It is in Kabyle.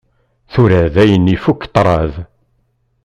Tura dayen ifukk ṭṭraḍ.